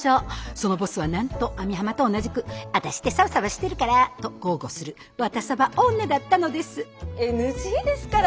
そのボスはなんと網浜と同じく「ワタシってサバサバしてるから」と豪語する「ワタサバ女」だったのですＮＧですから。